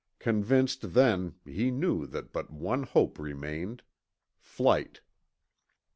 Convinced then, he knew that but one hope remained flight.